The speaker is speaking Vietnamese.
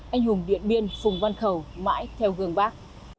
anh hùng điện biên phùng văn khẩu mãi theo gương bác